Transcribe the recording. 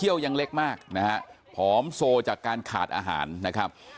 ยังเล็กมากนะฮะผอมโซจากการขาดอาหารนะครับ